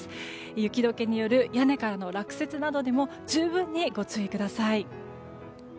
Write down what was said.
雪解けによる屋根からの落雪などにも十分にご注意ください。